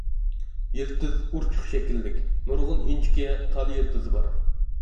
يىلتىز ئۇرچۇق شەكىللىك، نۇرغۇن ئىنچىكە، تال يىلتىزى بار.